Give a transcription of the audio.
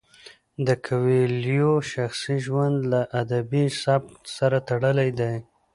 د کویلیو شخصي ژوند له ادبي سبک سره تړلی دی.